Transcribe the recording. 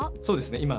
そうですね